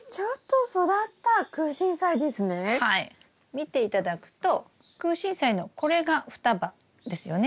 見て頂くとクウシンサイのこれが双葉ですよね。